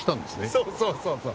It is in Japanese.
そうそうそうそう。